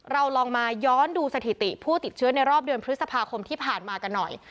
เราลองมาย้อนดูสถิติผู้ติดเชื้อในรอบเดือนพฤษภาคมที่ผ่านมากันหน่อย